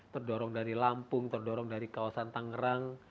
terdorong dari lampung terdorong dari kawasan tangerang